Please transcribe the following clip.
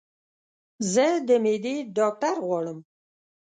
زه د معدي ډاکټر غواړم